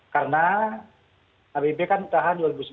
karena abb kan tahan dua ribu sebelas